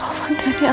maupun dari mama